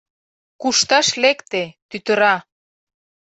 Кушташ лекте — тӱтыра!..